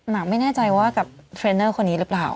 หนังไม่น่าใจว่ากับเทรนเนอร์คนนี้รึเปล่า